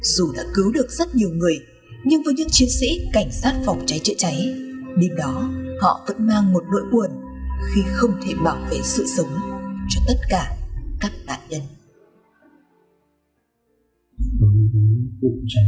dù đã cứu được rất nhiều người nhưng với những chiến sĩ cảnh sát phòng cháy chữa cháy đêm đó họ vẫn mang một nỗi buồn khi không thể bảo vệ sự sống cho tất cả các nạn nhân